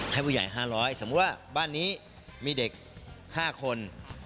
ให้ผู้ใหญ่๕๐๐สมมุติว่าบ้านนี้มีเด็ก๕คน